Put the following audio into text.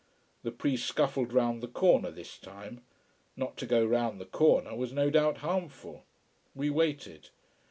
The priest scuffled round the corner this time. Not to go round the corner was no doubt harmful. We waited.